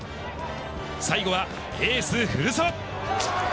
最後はエース、古澤。